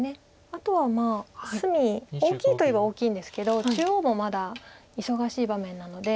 あとは隅大きいといえば大きいんですけど中央もまだ忙しい場面なので。